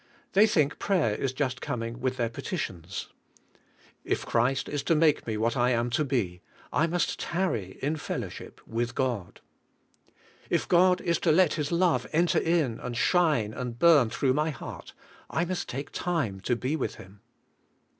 They think prayer is just coming with their petitions. If Christ is to make me what I am to be, I must tarry in fellowship with God. If God is to let his love enter in and shine and burn through my heart, I must take time to be with Him.